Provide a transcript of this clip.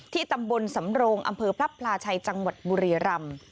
ตำบลสำโรงอำเภอพระพลาชัยจังหวัดบุรีรำ